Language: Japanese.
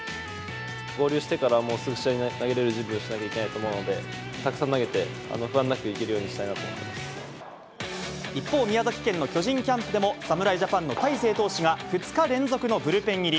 合流してからすぐ投げられる準備をしないといけないと思うので、たくさん投げて、不安なくい一方、宮崎県の巨人キャンプでも、侍ジャパンの大勢投手が２日連続のブルペン入り。